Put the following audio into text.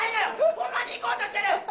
ホンマに行こうとしてる！